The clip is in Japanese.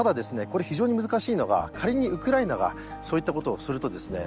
これ非常に難しいのが仮にウクライナがそういったことをするとですね